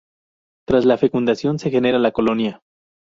Tras la fecundación se genera la colonia.